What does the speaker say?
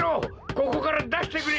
ここからだしてくれ。